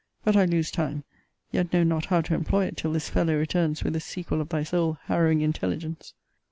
But I lose time; yet know not how to employ it till this fellow returns with the sequel of thy soul harrowing intelligence!